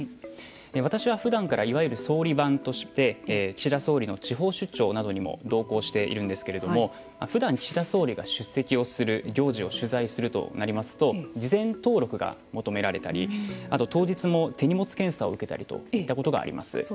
私はふだんからいわゆる総理番として岸田総理の地方出張などにも同行しているんですけれどもふだん岸田総理が出席する行事を取材するとなりますと事前登録が求められたりあと、当日も手荷物検査を受けたりといったことがあります。